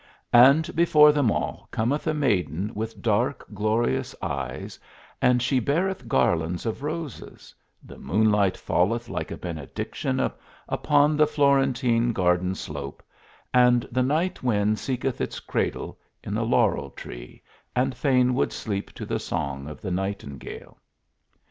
And before them all cometh a maiden with dark, glorious eyes, and she beareth garlands of roses; the moonlight falleth like a benediction upon the Florentine garden slope, and the night wind seeketh its cradle in the laurel tree, and fain would sleep to the song of the nightingale.